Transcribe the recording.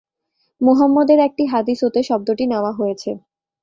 মুহাম্মদ-এর একটি হাদিস হতে শব্দটি নেওয়া হয়েছে।